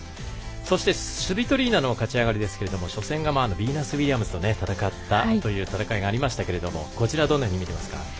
そして、スビトリーナの勝ち上がりですけれども初戦がビーナス・ウィリアムズと戦ったという戦いがありましたけれどもこちら、どんなふうに見ていますか？